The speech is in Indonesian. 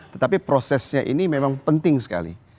tetapi prosesnya ini memang penting sekali